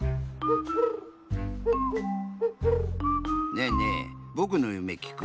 ねえねえぼくのゆめきく？